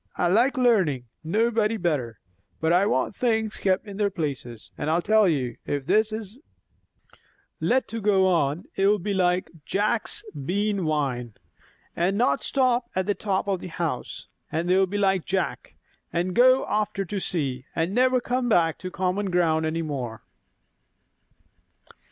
I like learning, nobody better; but I want things kept in their places. And I tell you, if this is let to go on, it'll be like Jack's bean vine, and not stop at the top of the house; and they'll be like Jack, and go after to see, and never come back to common ground any more."